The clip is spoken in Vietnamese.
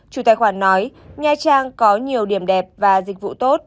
chủ tài khoản nói nha trang có nhiều điểm đẹp và dịch vụ tốt